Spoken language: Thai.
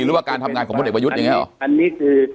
หรือว่าการทำงานของพลเอกประยุทธ์อย่างนี้หรอ